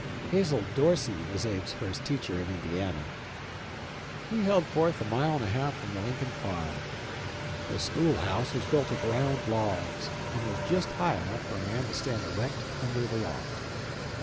Hazel Dorsey was Abe's first teacher in Indiana. He held forth a mile and a half from the Lincoln farm. The school house was built of round logs, and was just high enough for a man to stand erect under the loft.